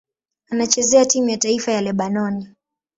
Anachezea timu ya taifa ya Lebanoni.